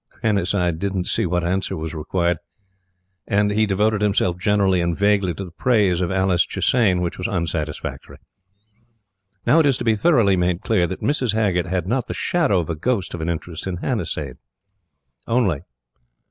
Hannasyde didn't see what answer was required, and he devoted himself generally and vaguely to the praise of Alice Chisane, which was unsatisfactory. Now it is to be thoroughly made clear that Mrs. Haggert had not the shadow of a ghost of an interest in Hannasyde. Only....